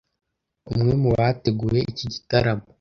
umwe mu bateguye iki gitaramo